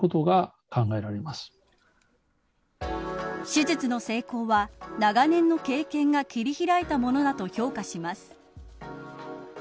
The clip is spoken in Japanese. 手術の成功は長年の経験が切り開いたものだと評価します。